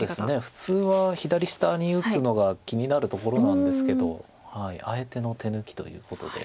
普通は左下に打つのが気になるところなんですけどあえての手抜きということで。